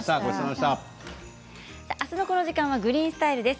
あすのこの時間は「グリーンスタイル」です。